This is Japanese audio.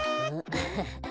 アハハ。